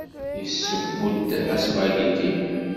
Yesseww-d aspagiti.